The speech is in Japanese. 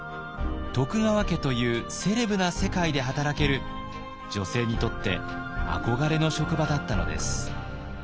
徳川家というセレブな世界で働ける女性にとって憧れの職場だったのです。